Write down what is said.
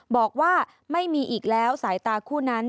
บอกว่าไม่มีอีกแล้วสายตาคู่นั้น